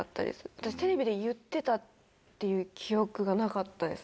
私テレビで言ってたっていう記憶がなかったですね。